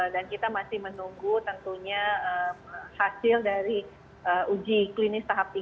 dan kita masih menunggu tentunya hasil dari uji klinis tahap tiga